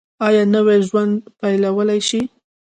ایا نوی ژوند پیلولی شئ؟